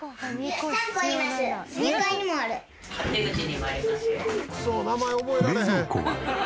クソ名前覚えられへん。